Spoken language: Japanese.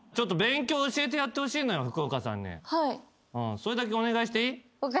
それだけお願いしていい？